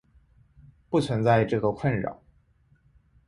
不存在这个困扰。